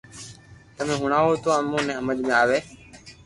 تمي ھڻاوہ تو امو ني ھمج ۾ آوي